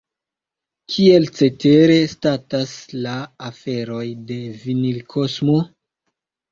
Kiel cetere statas la aferoj de Vinilkosmo?